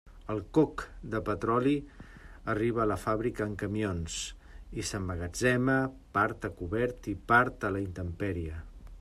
El coc de petroli arriba a la fàbrica en camions i s'emmagatzema part a cobert i part a la intempèrie.